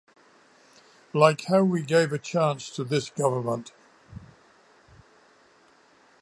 Like how we gave a chance to this government.